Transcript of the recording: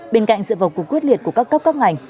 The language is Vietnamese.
bên cạnh sự vọc cục quyết liệt của các cấp các ngành